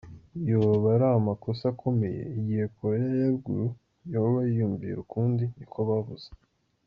Yoba ari "amakosa akomeye" igihe Korea ya Ruguru yoba yiyumvira ukundi, niko bavuze.